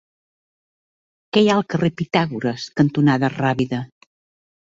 Què hi ha al carrer Pitàgores cantonada Rábida?